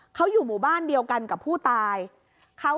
พอหลังจากเกิดเหตุแล้วเจ้าหน้าที่ต้องไปพยายามเกลี้ยกล่อม